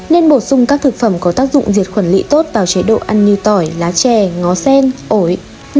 nên bổ sung các thực phẩm có tác dụng diệt khuẩn lị tốt vào chế độ ăn như tỏi lá chè ngó sen ổi